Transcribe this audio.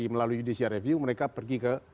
melalui judicial review mereka pergi ke